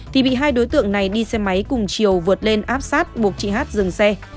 thì bị hai đối tượng này đi xe máy cùng chiều vượt lên áp sát buộc chị hát dừng xe